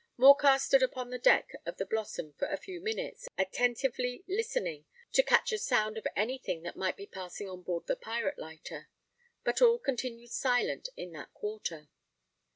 Morcar stood upon the deck of the Blossom for a few minutes, attentively listening to catch a sound of any thing that might be passing on board the pirate lighter: but all continued silent in that quarter.